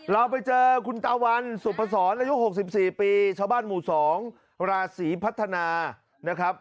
เราไปเจอคุณตาวันสุพศรอายุ๖๔ปีชาวบ้านหมู่๒ราศีพัฒนานะครับ